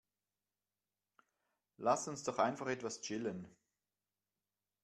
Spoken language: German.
Lass uns doch einfach etwas chillen.